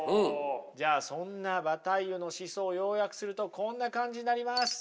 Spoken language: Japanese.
じゃあそんなバタイユの思想を要約するとこんな感じになります。